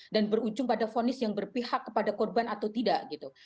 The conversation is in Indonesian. dan berujung pada vonis yang berpihak kepada korban atau tidak gitu